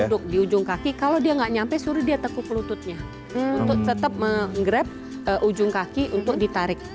duduk di ujung kaki kalau dia nggak nyampe suruh dia tekuk lututnya untuk tetap menggrab ujung kaki untuk ditarik